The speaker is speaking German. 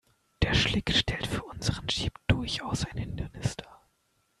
Der Schlick stellt für unseren Jeep durchaus ein Hindernis dar.